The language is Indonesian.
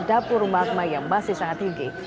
dapur magma yang masih sangat tinggi